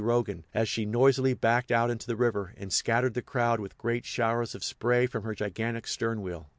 Rogan," as she noisily backed out into the river and scattered the crowd with great showers of spray from her gigantic stern wheel.